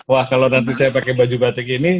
wah kalau nanti saya pakai baju batik ini